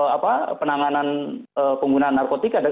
apa penanganan penggunaan narkotika